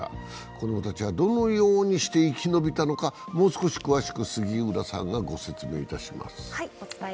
子供たちはどのようにして生き延びたのか、もう少し詳しく杉浦さんがご説明いたします。